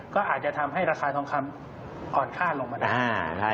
ก็อาจจะทำให้ราคาทองคำอ่อนข้าลง